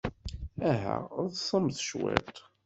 Aha, ḍsemt-d cwiṭ.